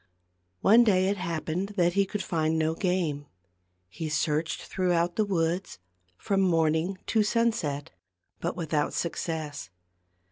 One day it happened that he could find no game. He searched throughout the woods, from morning to sunset, but without success.